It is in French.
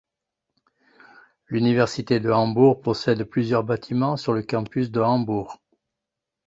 L'Université de Hambourg possède plusieurs bâtiments sur le campus de Hambourg.